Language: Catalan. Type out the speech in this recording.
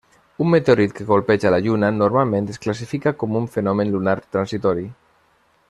Un meteorit que colpeja la Lluna normalment es classifica com un fenomen lunar transitori.